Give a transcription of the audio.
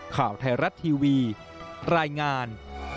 ข่าวไทยรัฐทีวีรายงาน